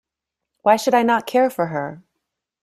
Why should I not care for her?